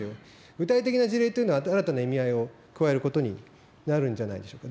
具体的な事例というのは、新たな意味合いを加えることになるんじゃないでしょうか。